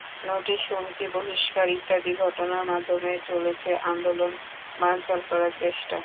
Notice, হুমকি, বহিষ্কার ইত্যাদি ঘটনার মাধ্যমে চলেছে আন্দোলন বানচাল করার চেষ্টা।